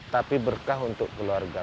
tapi berkah untuk keluarga